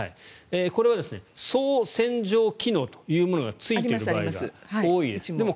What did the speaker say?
これは槽洗浄機能というものがついている場合が多いです。